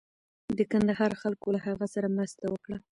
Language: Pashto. د کندهار خلکو له هغه سره مرسته وکړه.